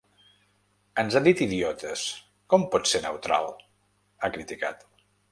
Ens ha dit idiotes, com pot ser neutral?, ha criticat.